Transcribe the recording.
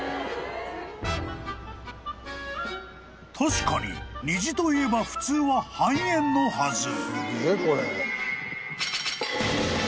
［確かに虹といえば普通は半円のはず］